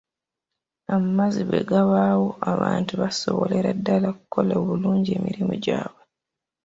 Amazzi bwe gabaawo abantu basobolera ddala okukola obulungi emirimu gyabwe.